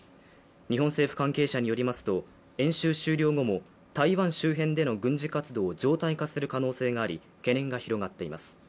日本政府関係者によりますと演習終了後も台湾周辺での軍事活動を常態化する可能性があり、懸念が広がっています。